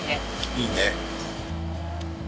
いいね。